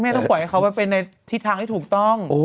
ไม่ต้องปล่อยเขาไปเป็นทิศทางที่ถูกต้อง